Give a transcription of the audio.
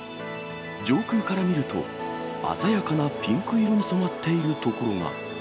上空から見ると、鮮やかなピンク色に染まっている所が。